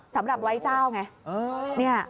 สำหรับไว้เจ้าไง